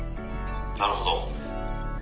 「なるほど」。